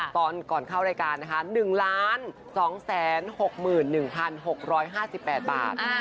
ตอนก่อนเข้ารายการนะคะ๑ล้าน๒แสน๖หมื่น๑พัน๖ร้อย๕๘บาท